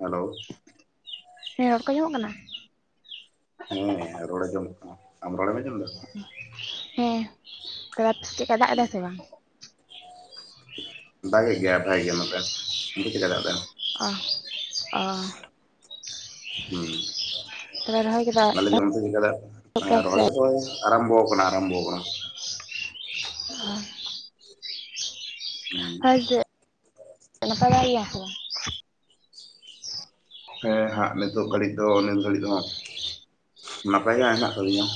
Hello ᱦᱮᱸ ᱨᱚᱲ ᱠᱚ ᱟᱸᱡᱚᱢᱚᱜ ᱠᱟᱱᱟ᱾ ᱦᱮᱸ ᱨᱚᱲ ᱟᱡᱚᱢᱚᱜ ᱟᱠᱟᱱ ᱟᱢ ᱨᱚᱲ ᱮᱢ ᱟᱡᱚᱢ ᱫᱟ ᱦᱮᱸ ᱪᱮᱫᱮᱠᱟ ᱫᱟᱜ ᱫᱟᱭ ᱥᱮ ᱵᱟᱝ? ᱫᱟᱜᱮᱜ ᱜᱮᱭᱟᱭ ᱵᱷᱟᱜᱤ ᱜᱮ ᱱᱚᱛᱮ ᱚᱱᱛᱮ ᱪᱮᱫ ᱠᱟ ᱫᱟᱜ ᱫᱟᱭ ᱚ ᱚ ᱦᱮᱸ ᱛᱚᱵᱮ ᱨᱚᱦᱚᱭ ᱠᱚᱫᱚ ᱟᱞ [inaudible] ᱮᱦᱚᱵ ᱡᱢ ᱠᱮᱫᱟ ᱯᱮ ᱥᱮ ᱨᱚᱦᱚᱭ ᱠᱚᱫᱚ ᱟᱨᱚᱢᱵᱷᱚ ᱠᱟᱱᱟ ᱟᱨᱚᱢᱵᱷᱚ ᱟᱠᱟᱱᱟ ᱾ ᱟᱨ [inaudible] ᱦᱩᱸ ᱟᱨ ᱪᱮᱫ ᱱᱟᱯᱟᱭ ᱵᱟᱲᱟ ᱜᱤᱭᱟ ᱯᱮ ᱦᱮᱸ ᱦᱟᱸᱜ ᱱᱤᱛᱚᱜ ᱜᱷᱟᱹᱲᱤᱡ ᱫᱚ ᱱᱤᱛ ᱜᱷᱟᱹᱲᱤᱡ ᱫᱚ ᱱᱟᱯᱟᱭ ᱜᱮ ᱦᱮᱱᱟᱜ ᱠᱟᱹᱫᱤᱧᱟ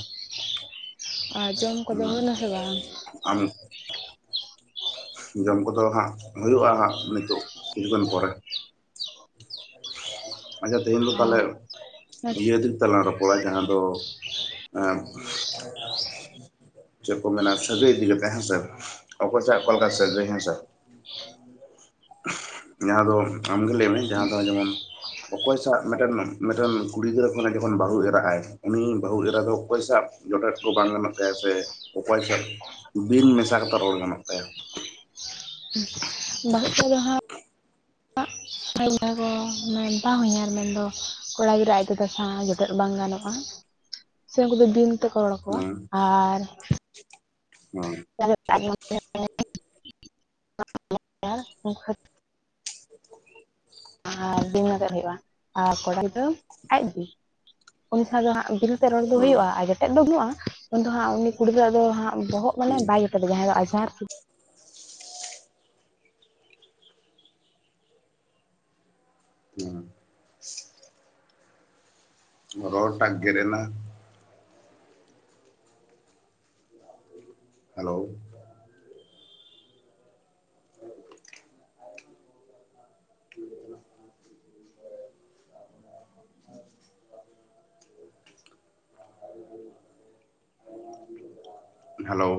ᱟᱨ ᱡᱚᱢ ᱠᱚᱫᱚ ᱦᱩᱭᱱᱟ ᱥᱮ ᱵᱟᱝ ᱟᱢ ᱡᱚᱢ ᱠᱚᱫᱚ ᱦᱟᱸᱜ ᱦᱩᱭᱩᱜᱼᱟ ᱦᱟᱸᱜ ᱱᱤᱛᱳᱜ ᱠᱤᱪᱷᱩᱜᱟᱱ ᱯᱚᱨᱮ ᱟᱪᱪᱷᱟ ᱛᱮᱦᱮᱧ ᱫᱚ ᱚ ᱛᱟᱦᱞᱮ ᱤᱭᱟᱹ ᱫᱟᱞᱟᱝ ᱨᱚᱯᱚᱲᱟ ᱡᱟᱦᱟᱸ ᱫᱚ ᱪᱮᱫ ᱠᱚ ᱢᱮᱱᱟ ᱥᱟᱹᱜᱟᱭ ᱤᱫᱤ ᱠᱟᱛᱮ ᱦᱮᱸᱥᱮ ᱚᱠᱚᱭ ᱥᱟᱜ ᱚᱠᱟ ᱞᱮᱠᱟ ᱥᱟᱹᱜᱟᱭ ᱦᱮᱸ ᱥᱮ [inaudible] ᱡᱟᱦᱟᱸ ᱫᱚ ᱟᱢᱜᱮ ᱞᱟᱹᱭ ᱢᱮ ᱡᱟᱦᱟᱸ ᱫᱚ ᱡᱮᱢᱚᱱ ᱚᱠᱚᱭᱥᱟᱜ ᱢᱤᱫᱴᱮᱱ ᱢᱤᱫᱴᱮᱱ ᱠᱩᱲᱤ ᱜᱤᱫᱽᱨᱟᱹ ᱠᱷᱚᱱᱟᱜ ᱡᱚᱠᱷᱚᱱ ᱵᱟᱹᱦᱩ ᱮᱨᱟᱜ ᱟᱭ ᱩᱱᱤ ᱵᱟᱹᱦᱩ ᱮᱨᱟ ᱫᱚ ᱚᱠᱚᱭ ᱥᱟᱜ ᱡᱚᱴᱮᱛ ᱠᱚ ᱵᱟᱝ ᱜᱟᱱᱚᱜ ᱛᱟᱭᱟ ᱥᱮ ᱚᱠᱚᱭ ᱥᱟᱶ ᱵᱤᱱ ᱢᱮᱥᱟ ᱠᱟᱛᱮ ᱨᱚᱲ ᱜᱟᱱᱚᱜ ᱛᱟᱭᱟ᱾ ᱦᱸ [unintelligible] ᱵᱟᱦᱩᱜ ᱠᱚᱫᱚ ᱦᱟᱸ [unintelligible] ᱠᱚ ᱵᱟᱦᱚᱸᱧᱦᱟᱨ ᱢᱮᱱᱫᱚ ᱠᱚᱲᱟ ᱜᱤᱫᱽᱨᱟᱹ ᱟᱡ ᱫᱟᱫᱟ ᱥᱟᱣ ᱡᱚᱴᱮᱫ ᱵᱟᱝ ᱜᱟᱱᱚᱜᱼᱟ᱾ [inaudible] ᱥᱮ ᱩᱱᱠᱩ ᱫᱚ ᱵᱤᱱ ᱛᱮᱠᱚ ᱨᱚᱲ ᱟᱠᱚᱣᱟ ᱟᱨ ᱚ [inaudible] ᱟᱨ ᱫᱤᱱᱛᱮᱫ ᱦᱩᱭᱩᱜᱼᱟ ᱟᱨ ᱠᱚᱲᱟ ᱫᱚ ᱟᱡᱜᱮ ᱩᱱᱤ ᱥᱟᱶ ᱫᱚᱦᱟᱜ ᱵᱤᱞ ᱨᱚᱲ ᱫᱚ ᱦᱩᱭᱩᱜᱼᱟ ᱦᱮᱸ ᱟᱨ ᱡᱮᱴᱮᱫ ᱫᱚ ᱵᱟᱹᱱᱩᱜᱼᱟ ᱩᱱ ᱫᱚ ᱦᱟᱸᱜ ᱩᱱᱤ ᱠᱩᱲ ᱜᱤᱫᱽᱨᱟᱹ ᱫᱚ ᱦᱟᱸᱜ ᱵᱚᱦᱚᱜ ᱢᱟᱱᱮ ᱵᱟᱭ [inaudible] ᱡᱟᱦᱟᱭ ᱫᱚ ᱟᱡᱷᱟᱨ ᱦᱮᱸ ᱜᱚᱲ ᱴᱟᱜᱜᱨᱮᱱᱟ [inaudible] ᱦᱮᱞᱳ ᱦᱮᱞᱳ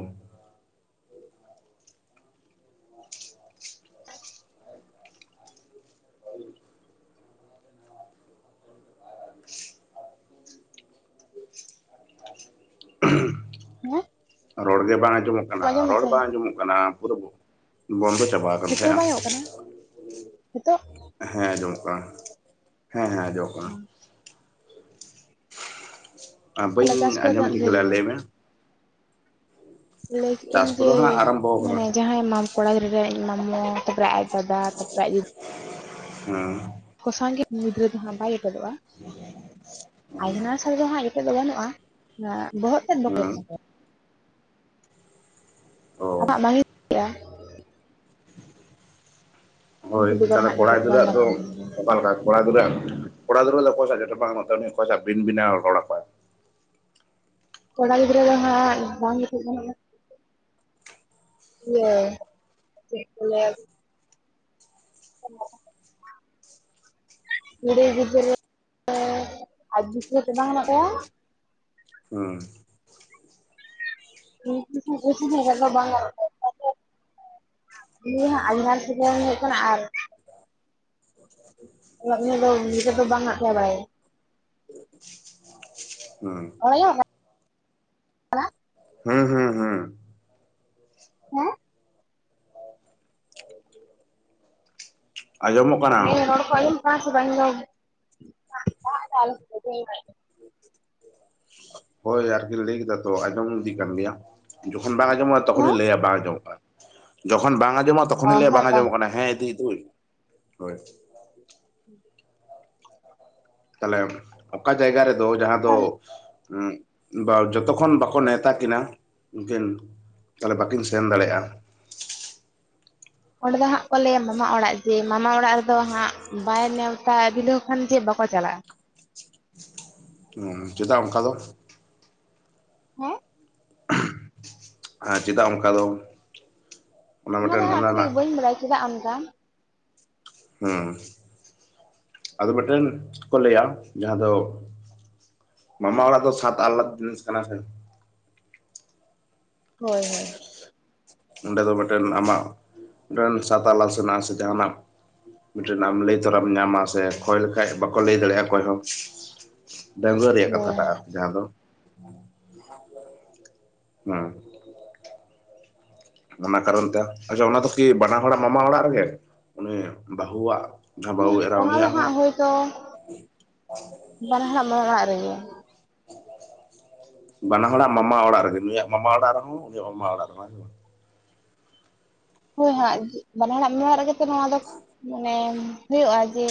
ᱦᱮᱸ ᱨᱚᱲ ᱜᱮ ᱵᱟᱝ ᱟᱸᱡᱚᱢᱚᱜ ᱠᱟᱱᱟ ᱟᱸᱡᱚᱢ ᱨᱚᱲ ᱫᱟᱥᱮ ᱵᱟᱝ ᱟᱸᱡᱚᱢᱚᱜ ᱠᱟᱱᱟ ᱯᱩᱨᱟᱹ ᱵᱚᱱᱫᱚ ᱪᱟᱵᱟ ᱟᱠᱟᱱ ᱱᱤᱛᱚ ᱛᱟᱦᱮᱸᱜᱼᱟ ᱵᱟᱭᱚᱜ ᱠᱟᱱᱟ ᱱᱤᱛᱚᱜ ᱦᱮᱸ ᱟᱡᱚᱢᱚᱜ ᱠᱟᱱᱟ ᱦᱮᱸ ᱦᱮᱸ ᱟᱢᱚᱢᱚᱜ [inaudible] ᱛᱟᱦᱚᱞᱮ ᱵᱟᱹᱧ ᱪᱟᱥ ᱠᱚᱫᱚ ᱟᱸᱡᱚᱢ ᱛᱤᱱᱟᱹᱜ ᱴᱷᱤᱠᱟ ᱡᱷᱟᱹᱞ ᱞᱮᱜᱼᱟ ᱨᱮ ᱞᱟᱹᱭᱢᱮ? ᱞᱟᱹᱭ ᱪᱟᱥ ᱠᱮᱜ-ᱟᱹᱧ ᱡᱮ ᱠᱚᱫᱚ ᱦᱟᱸᱜ ᱟᱨᱟᱢᱵᱚ ᱟᱠᱟᱱᱟ ᱢᱟᱱᱮ ᱡᱟᱦᱟᱸᱭ ᱢᱟ ᱠᱚᱲᱟ ᱜᱤᱫᱽᱨᱟᱹ ᱟᱡ ᱢᱟᱢᱩ ᱛᱟᱯᱚᱨᱮ ᱟᱡ ᱫᱟᱫᱟ ᱛᱟᱯᱚᱨᱮ ᱟᱡ ᱫᱤᱫᱤ ᱦᱮᱸ ᱠᱚᱥᱟᱝᱜᱮ ᱢᱩᱫᱽᱨᱟᱹ ᱫᱚ ᱦᱟᱸᱜ ᱵᱟᱭ ᱮᱴᱮᱨᱚᱜᱼᱟ᱾ ᱟᱭᱱᱟᱥᱟᱞ ᱫᱚ ᱦᱟᱸᱜ ᱱᱤᱛᱚᱜ ᱫᱚ ᱵᱟᱹᱱᱩᱜᱼᱟ, ᱵᱚᱦᱚᱜ ᱥᱮᱫ ᱵᱚᱛᱚᱨ ᱦᱮᱸ ᱥᱚᱛᱚᱨ ᱚ ᱟᱢᱟᱜ ᱵᱟᱝᱤᱧ ᱫᱟᱲᱭᱟᱜᱼᱟ᱾ ᱦᱳᱭ ᱩᱱᱠᱩ ᱵᱮᱜᱚᱨ ᱛᱟᱦᱚᱞᱮ ᱦᱟᱸᱜ ᱠᱚᱲᱟ ᱡᱚᱴᱮᱫ ᱵᱟᱝ ᱜᱤᱫᱽᱨᱟᱹᱟᱜ ᱫᱚ ᱜᱟᱱᱚᱜᱼᱟ ᱚᱠᱟᱮᱠᱟ ᱠᱚ ᱠᱚᱲᱟ ᱫᱩᱨᱟᱹ ᱠᱚᱲᱟ ᱫᱩᱨᱟᱹ ᱫᱚ ᱚᱠᱚᱭ ᱥᱟᱜ ᱡᱚᱴᱮᱫ ᱵᱟᱝ ᱜᱟᱱᱚᱜ ᱛᱟᱭ ᱩᱱᱤ ᱚᱠᱚᱭ ᱥᱟᱜ ᱵᱤᱱ ᱵᱤᱱᱟᱣ ᱨᱚᱲᱟᱭ ᱠᱚᱲᱟ ᱜᱤᱫᱽᱨᱟᱹ ᱫᱚ ᱦᱟᱸᱜ ᱵᱟᱝ ᱡᱩᱛᱩᱜ ᱜᱚᱜᱼᱟ [unintelligible] [unintelligible] [unintelligible] ᱠᱩᱲᱟᱹᱭ ᱜᱤᱫᱽᱨᱟᱹ ᱟᱡ [unintelligible] ᱵᱟᱝ ᱦᱮᱱᱟᱜ ᱛᱟᱭᱟ᱾ ᱦᱩᱸ [unintelligible] [unintelligible] ᱩᱱᱤ ᱦᱚᱸ ᱟᱭᱢᱟ ᱥᱵᱟᱹᱭ ᱦᱩᱭᱩᱜ ᱠᱟᱱᱟ, ᱟᱨ [inaudible] ᱩᱱᱤ ᱫᱚ ᱱᱤᱛ ᱫᱚ ᱵᱟᱝ ᱟᱫ ᱪᱟᱵᱟᱭᱟ᱾ ᱦᱩᱸ ᱨᱚᱲ ᱟᱸᱡᱚᱢᱚᱜ [unintelligible] ᱦᱩᱸ ᱦᱩᱸ ᱦᱩᱸ ᱠᱟᱱᱟ ᱟᱸᱡᱚᱢᱚᱜ ᱠᱟᱱᱟ ᱤᱧᱟᱜ ᱨᱚᱲ ᱠᱚ ᱟᱸᱡᱚᱢᱚᱜ ᱠᱟᱱᱟ ᱥᱮ ᱵᱟᱝ ᱫᱟᱜ ᱫᱟᱭ [unintelligible] ᱦᱳᱭ ᱟᱨᱠᱤᱱ ᱞᱟᱹᱭ ᱠᱮᱫᱟ ᱛᱚ ᱟᱸᱡᱚᱢ ᱤᱫᱤ ᱠᱟᱱ ᱜᱮᱭᱟ᱾ ᱡᱚᱠᱷᱚᱱ ᱵᱟᱝ ᱟᱸᱡᱚᱢᱚᱜᱼᱟ ᱛᱚᱠᱷᱚᱱᱤᱧ ᱞᱟᱹᱭᱟ ᱵᱟᱝ ᱟᱸᱡᱚᱢᱚᱜ-ᱟ᱾ ᱡᱚᱠᱷᱚᱱ ᱵᱟᱝ ᱟᱸᱡᱚᱢᱚᱜᱼᱟ ᱚ ᱛᱚᱠᱷᱚᱱᱤ ᱞᱟᱹᱭᱟ ᱵᱟᱝ ᱦᱮᱸᱛᱚ ᱟᱸᱡᱚᱢᱚᱜ ᱠᱟᱱᱟ ᱦᱮᱸ ᱤᱫᱤ ᱫᱩᱧ ᱦᱳᱭ [unintelligible] ᱛᱟᱦᱞᱮ ᱚᱠᱟ ᱡᱟᱭᱜᱟ ᱨᱮᱫᱚ ᱡᱟᱦᱟᱸ ᱫᱚ ᱵᱟ ᱡᱚᱛᱚ ᱠᱷᱚᱱ ᱵᱟᱠᱚ ᱱᱮᱶᱛᱟ ᱠᱤᱱᱟ ᱩᱱᱠᱤᱱ ᱛᱟᱦᱚᱞᱮ ᱵᱟᱠᱤᱱ ᱥᱮᱱ ᱫᱟᱲᱮᱭᱟᱜᱼᱟ᱾ ᱚᱸᱰᱮ ᱫᱚ ᱦᱟᱸᱜ ᱠᱚ ᱞᱟᱹᱭᱟ ᱢᱟᱢᱟ ᱚᱲᱟᱜ ᱡᱮ ᱢᱟᱢᱟ ᱚᱲᱟᱜ ᱨᱮᱫᱚ ᱦᱟᱸᱜ ᱵᱟᱭ ᱱᱮᱣᱛᱟ ᱵᱤᱞᱟᱹᱣ ᱠᱷᱟᱱ ᱪᱮᱫ ᱵᱟᱠᱚ ᱪᱟᱞᱟᱜᱼᱟ᱾ ᱪᱮᱫᱟᱜ ᱚᱱᱠᱟ ᱫᱚ? ᱦᱮᱸ [unintelligible] ᱪᱮᱫᱟᱜ ᱚᱱᱠᱟ ᱫᱚ ᱚᱱᱟ ᱫᱚ ᱦᱟᱸᱜ ᱴᱷᱤᱠ ᱵᱟᱹᱧ ᱵᱟᱲᱟᱭ ᱪᱮᱫᱟᱜ ᱟᱱᱠᱟ᱾ ᱦᱩᱸ, ᱟᱫᱚ ᱢᱤᱫᱴᱮᱱ ᱠᱚ ᱞᱟᱹᱭᱟ ᱡᱟᱦᱟᱸ ᱫᱚ ᱢᱟᱢᱟ ᱚᱲᱟᱜ ᱫᱚ ᱥᱟᱛ ᱟᱞᱞᱟᱫ ᱡᱤᱱᱤᱥ ᱠᱟᱱᱟ ᱥᱮ ᱦᱳᱭ ᱦᱳᱭ ᱚᱸᱰᱮ ᱫᱚ ᱢᱤᱫᱴᱮᱱ ᱟᱢᱟᱜ ᱢᱤᱫᱴᱮᱱ ᱥᱟᱛᱟᱞᱞᱟᱥ ᱦᱮᱱᱟᱜᱼᱟ ᱥᱮ ᱡᱟᱦᱟᱱᱟᱜ ᱢᱤᱫᱴᱮᱱ ᱞᱟᱹᱭ ᱛᱚᱨᱟᱢ ᱧᱟᱢᱟ ᱥᱮ ᱠᱷᱚᱭ ᱞᱮᱠᱷᱟᱜ ᱵᱟᱠᱚ ᱞᱟᱹᱭ ᱫᱟᱲᱮᱭᱟᱜᱼᱟ ᱚᱠᱚᱭ ᱦᱚᱸ᱾ ᱰᱟ. ᱜᱩᱣᱟᱹ ᱨᱮᱭᱟᱜ ᱦᱳᱭ ᱠᱟᱛᱷᱟᱴᱟᱜ ᱟᱨᱠᱤ ᱡᱟᱦᱟᱸ ᱫᱚ᱾ [unintelligible] ᱦᱩᱸ ᱚᱱᱟ ᱠᱟᱨᱚᱱ ᱛᱮ ᱟᱪᱪᱷᱟ ᱚᱱᱟ ᱫᱚ ᱠᱤ ᱵᱟᱱᱟ ᱦᱚᱲᱟᱜ ᱢᱟᱢᱟ ᱚᱲᱟᱜ ᱨᱮᱜᱮ ᱩᱱᱤ ᱵᱟᱹᱦᱩᱣᱟᱜ ᱡᱟᱦᱟᱸ ᱵᱟᱹᱦᱩ ᱮᱨᱟ ᱚᱱᱟ ᱫᱚ ᱩᱱᱤᱭᱟᱜ ᱦᱚᱸ ᱦᱟᱸᱜ ᱦᱳᱭᱛᱚ᱾ ᱵᱟᱨ ᱦᱚᱲᱟᱜ ᱢᱟᱢᱟ ᱚᱲᱟᱜ ᱨᱮᱜᱮ ᱵᱟᱱᱟ ᱦᱚᱲᱟᱜ ᱢᱟᱢᱟ ᱚᱲᱟᱜ ᱨᱮᱜᱮ ᱱᱩᱭᱟᱜ ᱢᱟᱢᱟ ᱚᱲᱟᱜ ᱨᱮᱦᱚᱸ ᱩᱱᱩᱟᱜ ᱢᱟᱢᱟ ᱚᱲᱟᱜ ᱨᱮᱢᱟ ᱦᱳᱭ ᱦᱟᱸᱜ ᱵᱟᱱᱟᱦᱟᱜ ᱢᱮ ᱨᱮᱜᱮ ᱛᱚ ᱱᱚᱣᱟ ᱫᱚ ᱢᱟᱱᱮ ᱦᱩᱭᱩᱜᱼᱟ ᱡᱮ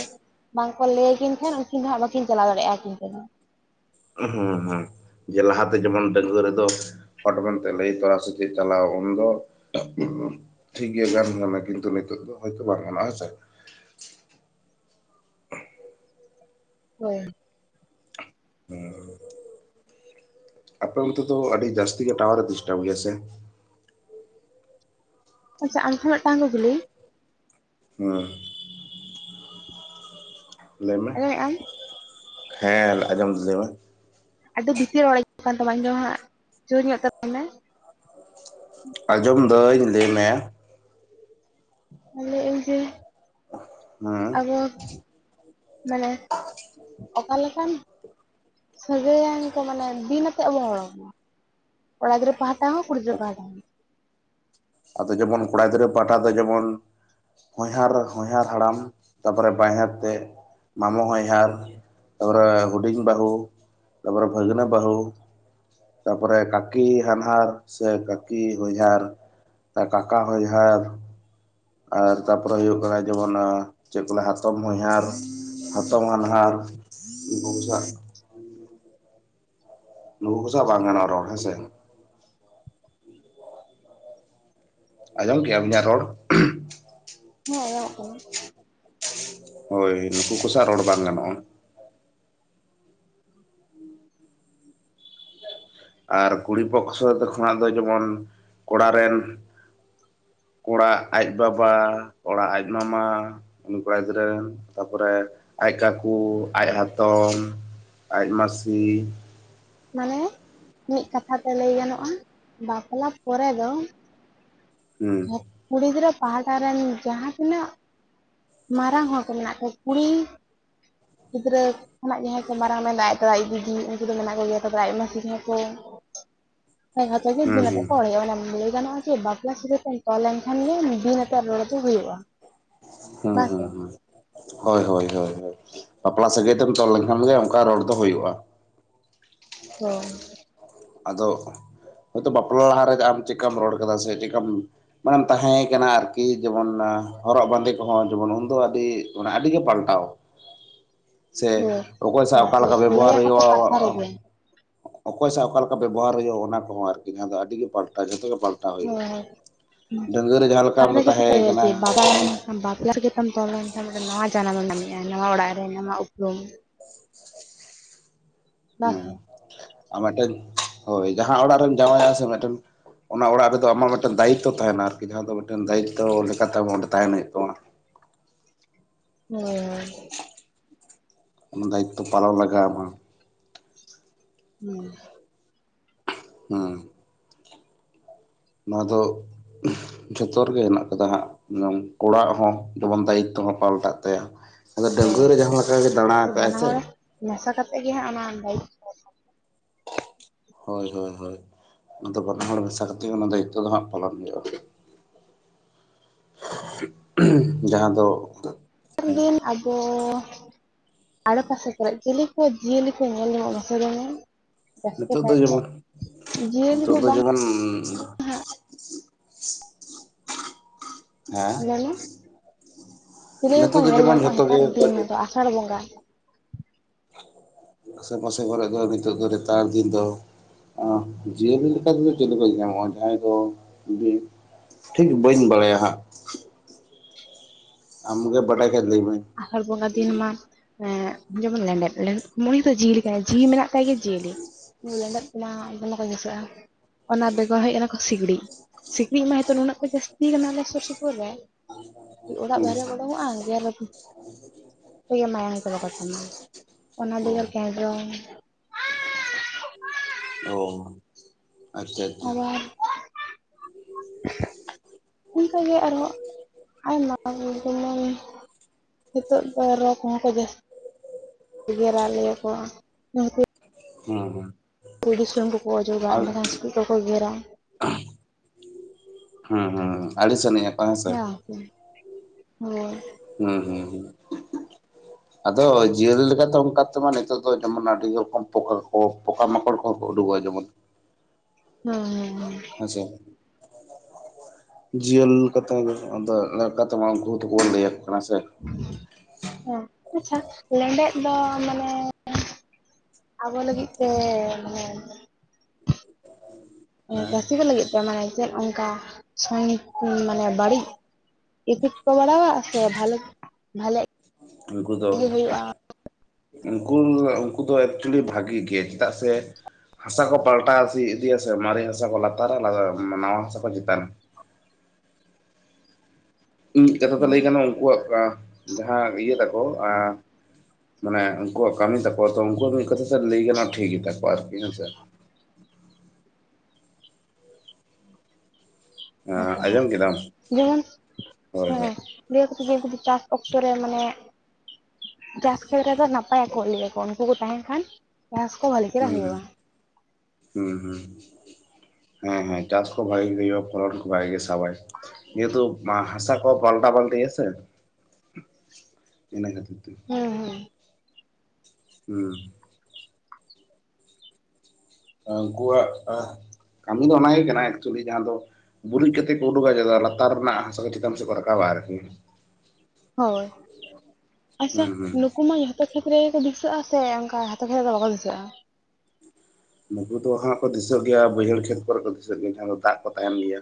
ᱵᱟᱝᱠᱚ ᱞᱟᱹᱭ ᱟᱹᱠᱤᱱ ᱠᱷᱟᱱ ᱩᱱᱠᱤᱱ ᱫᱚ ᱦᱟᱸᱜ ᱵᱟᱠᱤᱱ ᱪᱟᱞᱟᱣ ᱫᱟᱲᱮᱭᱟᱜᱼᱟ᱾ ᱟᱹᱠᱤᱱ ᱛᱮᱫᱚ ᱦᱮᱸ ᱦᱩᱸ ᱡᱮ ᱞᱟᱦᱟᱛᱮ ᱡᱮᱢᱚᱱ ᱰᱟᱺᱜᱩᱣᱟᱹ ᱨᱮᱫᱚ ᱦᱚᱴ ᱢᱮᱱᱛᱮ ᱞᱟᱹᱭ ᱛᱚᱨᱟ ᱥᱮ ᱪᱮᱫ ᱪᱟᱞᱟᱣ ᱩᱱᱫᱚ [unintelligible] ᱴᱷᱤᱠ ᱜᱮᱭᱟ ᱠᱤᱱᱛᱩ ᱱᱤᱛᱚᱜ ᱫᱚ ᱦᱚᱭᱛᱚ ᱵᱟᱝ ᱜᱟᱱᱚᱜᱼᱟ ᱦᱮᱸᱥᱮ? ᱦᱳᱭ ᱟᱯᱮ ᱚᱱᱛᱮ ᱫᱚ ᱟᱹᱰᱤ ᱡᱟᱹᱥᱛᱤ ᱜᱮ ᱴᱟᱣᱟᱨᱮ ᱰᱤᱥᱴᱟᱵ ᱜᱮᱭᱟᱥᱮ? ᱟᱪᱷᱟ ᱟᱢ ᱴᱷᱮ ᱢᱤᱫ ᱴᱟᱝ ᱠᱩᱠᱞᱤ [unintelligible] ᱞᱟᱹᱭ ᱢᱮ ᱟᱸᱡᱚᱢᱮᱫ ᱟᱢ ᱦᱮᱸ ᱟᱸᱡᱚᱢ ᱫᱟ. ᱧ [unintelligible] ᱟᱹᱰᱤ ᱵᱷᱤᱛᱤᱨ ᱨᱚᱲ ᱟᱸᱡᱚᱢᱚᱜ ᱠᱟᱱ ᱛᱟᱢᱟ ᱤᱧ ᱫᱚ ᱦᱟᱸᱜ ᱡᱳᱨ ᱧᱚᱜ ᱛᱮ ᱨᱚᱲ ᱢᱮ ᱟᱸᱡᱚᱢ ᱫᱟᱹᱧ ᱞᱟᱹᱭᱢᱮ ᱟᱨ ᱞᱟᱹᱭᱟᱹᱧ ᱡᱮ - ᱟᱵᱚ ᱢᱟᱱᱮ ᱚᱠᱟᱞᱮᱠᱟᱱ ᱥᱟᱹᱜᱟᱹᱭᱟᱱ ᱠᱚ ᱢᱟᱱᱮ ᱵᱤᱱ ᱟᱛᱮᱫ ᱵᱚ ᱨᱲᱚ ᱟᱠᱚᱣᱟ ᱠᱚᱲᱟ ᱜᱤᱫᱽᱨᱟᱹ ᱯᱟᱦᱴᱟ ᱦᱚᱸ ᱠᱩᱲᱤ ᱜᱤᱫᱽᱨᱟᱹ ᱯᱟᱦᱴᱟ ᱦᱚᱸ ᱟᱫᱚ ᱡᱮᱢᱚᱱ ᱠᱚᱲᱟ ᱜᱤᱫᱽᱨᱟᱹ ᱯᱟᱦᱴᱟ ᱫᱚ ᱡᱮᱢᱚᱱ ᱦᱚᱧᱦᱟᱨ ᱦᱚᱧᱦᱟᱨ ᱦᱟᱲᱟᱢ ᱛᱟᱯᱚᱨᱮ ᱵᱟᱦᱚᱧᱦᱟᱨ ᱛᱮᱫ ᱢᱟᱢᱚ ᱦᱚᱧᱦᱟᱨ ᱛᱟᱨᱯᱚᱨᱮ ᱦᱩᱰᱤᱧ ᱵᱟᱹᱦᱩ ᱛᱟᱨᱯᱚᱨᱮ ᱵᱷᱟᱹᱜᱽᱱᱟᱹ ᱵᱟᱹᱦᱩ ᱛᱟᱯᱚᱨᱮ ᱠᱟᱹᱠᱤ ᱦᱟᱱᱦᱟᱨ ᱥᱮ ᱠᱟᱹᱠᱤ ᱦᱚᱧᱦᱟᱨ ᱠᱟᱠᱟ ᱦᱚᱧᱦᱟᱨ ᱟᱨ ᱛᱟᱨᱯᱚᱨᱮ ᱦᱩᱭᱩᱜ ᱠᱟᱱᱟ ᱡᱮᱢᱚᱱ ᱪᱮᱫ ᱠᱚ ᱞᱟᱹᱭᱟ ᱦᱟᱛᱚᱢ ᱦᱚᱧᱦᱟᱨ ᱦᱟᱛᱚᱢ ᱦᱟᱱᱦᱟᱨ [unintelligible] ᱱᱩᱠᱩ ᱠᱚ ᱥᱟᱶ ᱵᱟᱝ ᱜᱟᱱᱚᱜ-ᱟ ᱨᱚᱲ ᱦᱮᱸᱥᱮ ᱟᱸᱡᱚᱢ ᱠᱮᱜ ᱟᱢ ᱤᱧᱟᱹᱜ ᱨᱚᱲ ᱦᱮᱸ ᱟᱸᱡᱚᱢᱚᱜ ᱠᱟᱱᱟ ᱦᱳᱭ ᱱᱩᱠᱩ ᱠᱚ ᱥᱟᱶ ᱨᱚᱲ ᱵᱟᱝ ᱜᱟᱱᱚᱜᱼᱟ ᱟᱨ ᱠᱩᱲᱤ ᱯᱚᱠᱥᱚ ᱠᱷᱚᱱᱟᱜ ᱫᱚ ᱡᱮᱢᱚᱱ ᱠᱚᱲᱟ ᱨᱮᱱ ᱠᱚᱲᱟᱜ ᱟᱡ ᱵᱟᱵᱟ ᱠᱚᱲᱟ ᱟᱡ ᱢᱟᱢᱟ ᱩᱱᱤ ᱠᱚᱲᱟ ᱜᱤᱫᱽᱨᱟᱹ ᱨᱮᱱ ᱛᱟᱨᱯᱚᱨᱮ ᱟᱡ ᱠᱟᱹᱠᱩ ᱟᱡ ᱦᱟᱛᱚᱢ ᱟᱡ ᱢᱟᱥᱤ ᱢᱟᱱᱮᱻᱮ ᱢᱤᱫ ᱠᱟᱛᱷᱟᱛᱮ ᱞᱟᱹᱭ ᱜᱟᱱᱚᱜᱼᱟ ᱵᱟᱯᱞᱟ ᱯᱚᱨᱮ ᱫᱚ ᱦᱩᱸ [unintelligible] ᱠᱩᱲᱤ ᱜᱤᱫᱽᱨᱟᱹ ᱯᱟᱦᱴᱟ ᱨᱮᱱ ᱡᱟᱦᱟᱸ ᱛᱤᱱᱟᱹᱜ ᱢᱟᱨᱟᱝ ᱦᱚᱲ ᱠᱚ ᱢᱮᱱᱟᱜ ᱠᱚᱣᱟ ᱠᱩᱲᱤ ᱜᱤᱫᱽᱨᱟᱹ ᱠᱷᱚᱱᱟᱜ ᱡᱟᱦᱟᱸᱭ ᱠᱚ ᱢᱟᱨᱟᱝ ᱢᱮᱱ ᱫᱚ ᱟᱡ ᱫᱟᱫᱟ ᱟᱡ ᱫᱤᱫᱤ ᱩᱱᱠᱩ ᱫᱚ ᱢᱮᱱᱟᱜ ᱠᱚᱜᱮᱭᱟ ᱛᱚᱵᱮ ᱟᱡ ᱢᱟᱥᱤ ᱡᱟᱸᱦᱟᱭ ᱠᱚ [inaudible] ᱦᱩᱸ ᱵᱤᱱ ᱦᱩᱸ ᱟᱛᱮᱫ ᱠᱚ ᱨᱚᱲ ᱮᱫᱟ ᱞᱟᱹᱭ ᱜᱟᱱᱚᱜᱼᱟ ᱵᱟᱯᱞᱟ ᱥᱟᱹᱜᱟ. ᱛᱮᱢ ᱛᱚᱞ ᱞᱮᱱᱠᱷᱟᱱ ᱜᱮ ᱵᱤᱱ ᱟᱛᱮᱫ ᱨᱚᱲ ᱫᱚ ᱦᱩᱭᱩᱜᱼᱟ ᱦᱟᱺ ᱵᱟᱝᱥᱮ ᱦᱟᱺ ᱦᱟᱺ ᱦᱳᱭ ᱦᱳᱭ ᱦᱳᱭ ᱦᱳᱭ ᱵᱟᱯᱞᱟ ᱥᱟᱹᱜᱟᱹᱭ ᱛᱮᱢ ᱛᱚᱞ ᱞᱮᱱᱠᱷᱟᱱ ᱜᱮ ᱚᱱᱠᱟ ᱨᱚᱲ ᱫᱚ ᱦᱩᱭᱩᱜᱼᱟ ᱦᱮ [unintelligible] ᱟᱫᱚ ᱦᱳᱭᱛᱳ ᱵᱟᱯᱞᱟ ᱞᱟᱦᱟᱨᱮ ᱟᱢ ᱪᱮᱫᱠᱟᱢ ᱨᱚᱲ ᱟᱠᱟᱫᱟ ᱥᱮ ᱪᱮᱠᱟᱢ ᱢᱟᱱᱮᱢ ᱛᱟᱦᱮᱸ ᱠᱟᱱᱟ ᱟᱨᱠᱤ ᱡᱮᱢᱚᱱ ᱦᱚᱨᱚᱜ ᱵᱟᱸᱫᱮ ᱠᱚᱦᱚᱸ ᱡᱮᱢᱚᱱ ᱩᱱᱫᱚ ᱟᱹᱰᱤ ᱟᱹᱰᱤᱜᱮ ᱯᱟᱞᱴᱟᱣ ᱥᱮ ᱦᱳᱭ ᱚᱠᱚᱭ ᱥᱟᱶ ᱚᱠᱟᱮᱠᱟ ᱞᱟᱹᱭ ᱵᱮᱵᱚᱦᱟᱨ ᱟᱠᱚ ᱛᱚ ᱠᱟᱛᱷᱟ ᱨᱮᱜᱮ ᱦᱩᱭᱩᱜᱼᱟ ᱚᱠᱚᱭ ᱥᱟᱶ ᱚᱠᱟ ᱞᱮᱠᱟ ᱵᱮᱵᱚᱦᱟᱨ ᱦᱩᱭᱩᱜᱼᱟ ᱚᱱᱟ ᱠᱚᱦᱚᱸ ᱟᱨᱠᱤ ᱡᱟᱦᱟᱸ ᱫᱚ ᱟᱹᱰᱤᱜᱮ ᱯᱟᱞᱴᱟᱜᱼᱟ ᱡᱚᱛᱚ ᱜᱮ ᱯᱟᱞᱴᱟᱣ ᱦᱳᱭ ᱦᱳᱭ [unintelligible] ᱰᱟᱺᱜᱩᱣᱟᱹ ᱨᱮ ᱡᱟᱸᱦᱟ ᱞᱮᱠᱟᱢ ᱟᱢ ᱫᱚᱢ ᱛᱟᱦᱮᱸ ᱟᱠᱟᱱᱟ ᱠᱟᱨᱚᱱ ᱵᱟᱯᱞᱟ ᱛᱚᱞ ᱞᱮᱱᱠᱷᱟᱱ ᱱᱟᱣᱟ ᱡᱟᱱᱟᱢᱮᱢ‌ ᱧᱟᱢᱮᱜᱼᱟ ᱱᱟᱣᱟ ᱚᱲᱟᱜ ᱨᱮ ᱱᱟᱣᱟ ᱩᱯᱨᱩᱢ ᱵᱟᱝ ᱦᱩᱸ ᱥᱮ ᱟᱨ ᱢᱤᱫᱴᱮᱱ ᱦᱳᱭ ᱡᱟᱦᱟᱸ ᱚᱲᱟᱜ ᱨᱮᱢ ᱡᱟᱶᱟᱭ ᱚᱜ ᱟᱥᱮ ᱢᱤᱫᱴᱮᱱ ᱚᱱᱟ ᱚᱲᱟᱜ ᱨᱮᱫᱚ ᱟᱢᱟᱜ ᱢᱤᱫᱴᱮᱱ ᱫᱟᱭᱤᱛᱛᱚ ᱛᱟᱦᱮᱱᱟ ᱟᱨᱠᱤ ᱡᱟᱦᱟᱸ ᱫᱚ ᱢᱤᱫᱴᱮᱱ ᱫᱟᱭᱤᱛᱛᱚ ᱞᱮᱠᱟᱛᱮ ᱟᱢ ᱚᱸᱰᱮ ᱛᱟᱦᱮᱱ ᱦᱩᱭᱩᱜ ᱛᱟᱢᱟ ᱦᱮ [unintelligible] ᱚᱱᱟ ᱫᱟᱭᱤᱛᱛᱚ ᱯᱟᱞᱚᱱ ᱞᱟᱜᱟᱣᱟᱢᱟ ᱦᱮᱸ [unintelligible] ᱦᱮᱸ ᱱᱚᱣᱟ ᱫᱚ ᱡᱷᱚᱛᱚ ᱨᱮᱜᱮ ᱦᱮᱱᱟᱜ ᱠᱟᱫᱟ ᱦᱟᱸᱜ ᱠᱚᱲᱟ ᱟᱜ ᱦᱚᱸ ᱡᱮᱢᱚᱱ ᱫᱟᱭᱤᱛᱛᱚ ᱦᱚᱸ ᱯᱟᱞᱴᱟᱜ ᱛᱟᱭᱟ ᱟᱫᱚ ᱰᱟᱺᱜᱣᱟᱹ ᱨᱮ ᱡᱟᱦᱟᱸ ᱞᱮᱠᱟᱜᱮ ᱫᱟᱬᱟ ᱦᱳᱭ ᱟᱠᱟᱜ ᱟᱭ ᱵᱟᱱᱟ ᱥᱮ ᱦᱚᱲ ᱢᱮᱥᱟ ᱠᱟᱛᱮᱫ ᱜᱮ ᱦᱟᱸᱜ ᱚᱱᱟ ᱦᱳᱭ ᱦᱳᱭ ᱦᱳᱭ ᱚᱱᱟᱫᱚ ᱵᱟᱱᱟ ᱦᱚᱲ ᱢᱮᱥᱟ ᱠᱟᱛᱮᱫ ᱜᱮ ᱚᱱᱟ ᱫᱟᱭᱤᱛᱛᱚ ᱫᱚ ᱦᱟᱸᱜ ᱯᱟᱞᱚᱱ ᱦᱩᱭᱩᱜᱼᱟ [unintelligible] ᱡᱟᱦᱟᱸ ᱫᱚ ᱦᱮᱸ ᱫᱤᱱ ᱟᱵᱚ ᱟᱲᱮ ᱯᱟᱥᱮ ᱠᱚᱨᱮ ᱪᱤᱞᱤ ᱠᱚ ᱡᱤᱭᱟᱹᱞᱤ ᱠᱚ ᱧᱮᱞ ᱧᱟᱢᱚᱜ ᱢᱟᱥᱮ ᱞᱟᱹᱭ ᱢᱮ? ᱡᱟᱹᱥᱛᱤ ᱱᱤᱛᱚᱜ ᱠᱟᱭᱛᱮ ᱡᱤᱭᱟᱹᱞᱤ ᱠᱚ ᱵᱟᱝ ᱠᱷᱚᱱ ᱚ ᱦᱮᱸ ᱧᱮᱞ ᱢᱮ ᱪᱤᱞᱤ ᱜᱮᱠᱚ ᱱᱤᱛᱚᱜ ᱫᱚ ᱧᱮᱞ ᱡᱮᱢᱚᱱ ᱧᱟᱢᱚᱜᱼᱟ ᱡᱷᱚᱛᱚ ᱜᱮ ᱱᱮᱛᱟᱨ ᱫᱤᱱᱫᱚ ᱟᱥᱟᱲ ᱵᱚᱸᱜᱟ ᱟᱥᱮ ᱯᱟᱥᱮ ᱠᱚᱨᱮ ᱫᱚ ᱱᱤᱛᱚᱜ ᱫᱚ ᱨᱮᱛᱟᱲ ᱫᱤᱱ ᱫᱚ ᱡᱤᱭᱟᱹᱞᱤ ᱞᱮᱠᱟᱛᱮᱫᱚ ᱪᱮᱞᱮ ᱠᱚ ᱧᱮᱧᱟᱢᱚᱜᱼᱟ ᱡᱟᱦᱟᱸᱭ ᱫᱚ ᱵᱤᱧ ᱴᱷᱤᱠ ᱵᱟᱹᱧ ᱵᱟᱲᱟᱭᱟ ᱦᱟᱸᱜ ᱟᱢ ᱜᱮ ᱵᱟᱰᱟᱭ ᱠᱟᱛ ᱞᱟᱹᱭ ᱢᱮ ᱟᱥᱟᱲ ᱵᱚᱸᱜᱟ ᱫᱤᱱ ᱢᱟ ᱮᱸ ᱡᱮᱢᱚᱱ ᱞᱮᱸᱰᱮᱛ ᱢᱩᱭ ᱫᱚ ᱡᱤᱣᱤᱞᱮᱠᱟ ᱡᱤᱣᱤ ᱢᱮᱱᱟᱜ ᱛᱟᱭ ᱜᱮ ᱡᱤᱭᱟᱹᱞᱤ ᱞᱮᱸᱰᱮᱫ ᱠᱚᱢᱟ ᱫᱚᱢᱮ ᱠᱚ ᱵᱟᱹᱭᱥᱟᱹᱜᱼᱟ [inaudible] ᱚᱱᱟ ᱵᱮᱜᱚᱨ ᱦᱮᱡ ᱮᱱᱟ ᱠᱚ ᱥᱤᱠᱲᱤᱡ ᱥᱤᱠᱲᱤᱡ ᱢᱟ ᱦᱤᱛᱳ ᱱᱩᱱᱟᱹᱜ ᱠᱚ ᱡᱟᱹᱥᱛᱤ ᱟᱠᱟᱱᱟ ᱟᱞᱮ ᱥᱳᱨ ᱥᱳᱯᱳᱨ ᱨᱮ ᱚᱲᱟᱜ ᱦᱩᱸ ᱵᱟᱦᱨᱮᱢ ᱳᱰᱳᱝᱚᱜᱼᱟ ᱜᱮᱨ [unintelligible] ᱢᱟᱭᱟᱝ ᱠᱚᱫᱚᱠᱚ ᱡᱚᱢᱟ ᱚᱱᱟ ᱚ ᱵᱮᱜᱚᱨ ᱠᱮᱱᱫᱽᱨᱚᱝ ᱳ ᱟᱨ [unintelligible] ᱚᱱᱠᱟᱜᱮ ᱟᱨᱦᱚᱸ ᱟᱭᱢᱟ ᱡᱮᱢᱚᱱ ᱱᱤᱛᱚᱜ ᱫᱚ ᱨᱚ ᱠᱚᱦᱚᱸ ᱠᱚ [inaudible] ᱡᱟᱹᱥ ᱜᱮᱨᱟ ᱞᱮᱭᱟ ᱠᱚ ᱦᱮᱸ ᱦᱮᱸ ᱠᱩᱭᱰᱤ ᱥᱩᱱᱩᱢ ᱠᱚᱠᱚ ᱚᱡᱚᱜᱟ ᱮᱸᱰᱮᱠᱷᱟᱱ ᱥᱤᱠᱲᱤᱡ ᱵᱟᱠᱚ ᱜᱮᱨᱟ ᱦᱩᱸ ᱦᱩᱸ ᱟᱹᱰᱤ ᱥᱟᱱᱤᱡ [unintelligible] ᱦᱮᱸ ᱦᱳ ᱦᱩᱸ ᱦᱩᱸ ᱦᱸ [unintelligible] ᱟᱫᱚ ᱡᱤᱭᱟᱹᱞᱤ ᱞᱮᱠᱟᱛᱮ ᱚᱱᱠᱟ ᱛᱮᱢᱟ ᱱᱤᱛᱚᱜ ᱫᱚ ᱡᱮᱢᱚᱱ ᱟᱹᱰᱤ ᱨᱚᱠᱚᱢ ᱯᱚᱠᱟ ᱠᱚ ᱯᱚᱠᱟ ᱢᱟᱠᱚᱲ ᱠᱚᱦᱚᱸ ᱠᱚ ᱩᱰᱩᱠᱚᱜᱼᱟ ᱡᱮᱢᱚᱱ ᱦᱩᱸ ᱦᱩ ᱪᱮᱫ ᱡᱤᱭᱟᱹᱞ ᱠᱟᱛᱷᱟ ᱞᱮᱠᱟᱛᱮᱢᱟ ᱩᱱᱠᱩ ᱦᱚᱛᱚ ᱞᱟᱹᱭᱟᱠᱚ ᱠᱟᱱᱟ ᱥᱮ ᱦᱮᱸ ᱟᱪᱷᱟ ᱞᱮᱸᱰᱮᱫ ᱫᱚ ᱢᱟᱱᱮ ᱟᱵᱚ ᱞᱟᱹᱜᱤᱫ ᱛᱮ ᱢᱟᱱᱮ ᱦᱮᱸ ᱪᱟᱹᱥᱤ ᱠᱚ ᱞᱟᱹᱜᱤᱫ ᱛᱮ ᱢᱟᱱᱮ ᱪᱮᱫ ᱚᱱᱠᱟ ᱥᱚᱝ ᱢᱟᱱᱮ ᱵᱟᱹᱲᱤᱡ? ᱤᱯᱷᱤᱴ ᱠᱚ ᱵᱟᱲᱟᱣᱟ ᱥᱮ ᱵᱟᱞᱮ ᱵᱷᱟᱞᱮᱠ ᱩᱱᱠᱩ ᱫᱚ [inaudible] ᱩᱱᱠᱩ ᱩᱱᱠᱩ ᱫᱚ ᱮᱠᱪᱩᱭᱮᱞᱤ ᱵᱷᱟᱜᱤ ᱜᱮ ᱪᱮᱫᱟᱜ ᱥᱮ ᱦᱟᱥᱟ ᱠᱚ ᱯᱟᱞᱴᱟ ᱤᱫᱤᱭᱟ ᱥᱮ ᱢᱟᱨᱮ ᱦᱟᱥᱟ ᱠᱚ ᱞᱟᱛᱟᱨᱟ ᱱᱟᱣᱟ ᱦᱟᱥᱟ ᱠᱚ ᱪᱮᱛᱟᱱᱟ ᱢᱤᱫ ᱠᱟᱛᱷᱟ ᱛᱮ ᱞᱟᱹᱭ ᱜᱟᱱᱚᱜ ᱩᱱᱠᱩᱣᱟᱜ ᱡᱟᱦᱟᱸ ᱤᱭᱟᱹ ᱛᱟᱠᱚ ᱟᱸ ᱢᱟᱱᱮ ᱩᱱᱠᱩᱣᱟᱜ ᱠᱟᱹᱢᱤ ᱛᱟᱠᱚ ᱛᱚ ᱩᱱᱠᱩᱣᱟᱜ ᱢᱤᱫ ᱠᱟᱛᱷᱟ ᱛᱮ ᱞᱟᱹᱭ ᱜᱟᱱᱚᱜᱼᱟ ᱴᱷᱤᱠ ᱜᱮᱛᱟ ᱠᱚᱣᱟ ᱟᱨᱠᱤ ᱦᱮᱸᱥᱮ ᱦᱮᱸ ᱛᱚ ᱦᱮᱸ ᱟᱸᱡᱚᱢ ᱠᱮᱫᱟᱢ ᱡᱮᱢᱚᱱ ᱦᱳᱭ ᱦᱳᱭ ᱦᱮᱸ ᱞᱟᱹᱭ ᱟᱠᱚᱛᱚ ᱡᱮ ᱪᱟᱥ ᱚᱠᱛᱚ ᱨᱮ ᱢᱟᱱᱮ ᱪᱟᱥ ᱠᱷᱮᱛ ᱨᱮᱫᱚ ᱱᱟᱯᱟᱭᱟᱠᱚ ᱞᱟᱹᱭᱟᱠᱚ ᱩᱱᱠᱩ ᱠᱚ ᱛᱟᱦᱮᱱ ᱠᱷᱟᱱ ᱪᱟᱥ ᱠᱚ ᱵᱷᱟᱹᱞᱤ ᱪᱮᱨᱟ ᱦᱩᱸ ᱦᱩᱸ ᱦᱩᱭᱩᱜᱼᱟ ᱦᱩᱸ ᱦᱩᱸ ᱦᱮᱸ ᱦᱮᱸ ᱪᱟᱥ ᱠᱚ ᱵᱷᱟ. ᱜᱤ ᱜᱮ ᱦᱳᱭᱳᱜ ᱯᱷᱚᱱ ᱠᱚ ᱵᱷᱟᱜᱮ ᱜᱮᱭ ᱥᱟᱵᱟᱭ [unintelligible] ᱢᱟ ᱦᱟᱥᱟ ᱠᱚ ᱯᱟᱞᱴᱟ ᱯᱟᱞᱴᱤ ᱟᱥᱮ ᱤᱱᱟᱹ ᱠᱷᱮᱛ [unintelligible] ᱦᱩᱸ ᱩᱱᱠᱩᱣᱟᱜ ᱠᱟᱹᱢᱤ ᱫᱚ ᱚᱱᱟᱜᱮ ᱠᱟᱱᱟ ᱮᱠᱪᱩᱭᱮᱞᱤ ᱡᱟᱦᱟᱸ ᱫᱚ ᱜᱩᱨᱤᱡ ᱠᱟᱛᱮ ᱠᱚ ᱩᱰᱩᱠᱟ ᱡᱟᱛᱮ ᱞᱟᱛᱟᱨ ᱨᱮᱱᱟᱜ ᱦᱟᱥᱟ ᱠᱚ ᱪᱮᱛᱟᱱ ᱥᱮᱫ ᱠᱚ ᱨᱟᱠᱟᱵᱟ ᱟᱨᱠᱤ ᱦᱳᱭ ᱟᱪᱷᱟ ᱦᱩᱸ ᱱᱩᱠᱩ ᱢᱟ ᱡᱚᱼᱼ ᱠᱷᱮᱛ ᱨᱮᱠᱚ ᱫᱤᱥᱟᱹᱜᱼᱟ ᱥᱮ ᱚᱱᱠᱟ ᱦᱟᱛᱳ ᱠᱷᱮᱛ ᱨᱮᱫᱚ ᱵᱟᱠᱚ ᱫᱤᱥᱟᱹᱜᱼᱟ ᱱᱩᱠᱩ ᱫᱚ ᱦᱟᱸᱷ ᱠᱚ ᱫᱤᱥᱟᱹᱜ ᱜᱮᱭᱟ, ᱵᱟᱹᱭᱦᱟᱹᱲ ᱠᱷᱮᱛ ᱠᱚᱨᱮ ᱠᱚ ᱫᱤᱥᱟᱹᱜ ᱜᱮᱭᱟ ᱢᱟᱦᱟᱸ ᱫᱚ ᱫᱟᱜ ᱠᱚ ᱛᱟᱦᱮᱱ ᱜᱮᱭᱟ᱾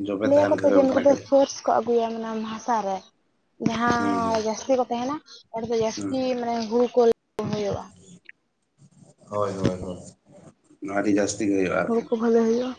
ᱡᱚᱵᱮ ᱞᱟᱹᱭᱟ ᱠᱚ ᱛᱟᱦᱮᱱ ᱛᱚ ᱜᱮ ᱡᱮ ᱩᱱᱠᱩ ᱚᱱᱠᱟᱱᱟᱜ ᱫᱚ ᱠᱷᱮᱛ ᱯᱟᱹᱥ [unintelligible] ᱠᱚ ᱟᱹᱜᱩᱭᱟ ᱢᱟᱱᱮ ᱦᱟᱥᱟ ᱨᱮ ᱦᱩᱸ ᱦᱩᱸ ᱡᱟᱦᱟᱸ ᱡᱟᱹᱥᱛᱤ ᱠᱚ ᱛᱟᱦᱮᱸᱱᱟ ᱚᱸᱰᱮ ᱫᱚ ᱦᱩᱸ ᱡᱟᱹᱥᱛᱤ ᱢᱟᱱᱮ ᱦᱩᱲᱩ ᱠᱚ ᱦᱩᱭᱩᱜᱼᱟ ᱦᱳᱭ ᱦᱩᱭ ᱦᱳᱭ ᱱᱚᱣᱟ ᱜᱮ ᱡᱟᱹᱥᱛᱤ ᱦᱩᱭᱩᱜᱼᱟ ᱦᱩᱲᱩ ᱟᱨᱠᱤ ᱠᱚ ᱵᱷᱟᱞᱮ ᱦᱩᱭᱩᱜᱼᱟ